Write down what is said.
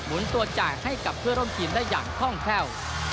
หมุนตัวจ่ายให้กับเพื่อร่มกินได้อย่างค่องแพร่ว